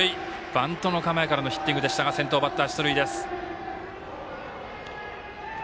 バントの構えからのヒッティングでしたが先頭バッター出塁です。